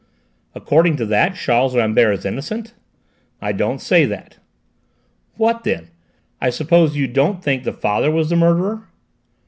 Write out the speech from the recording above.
"According to that, Charles Rambert is innocent?" "I don't say that." "What then? I suppose you don't think the father was the murderer?"